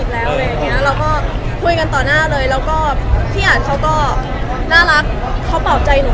แล้วก็พูดกันต่อหน้าเลยแล้วก็ที่เขาก็น่ารักเขาเบาใจหนู